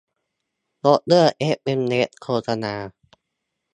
ยกเลิกเอสเอ็มเอสโฆษณา